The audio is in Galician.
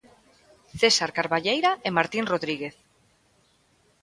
César Carballeira e Martín Rodríguez.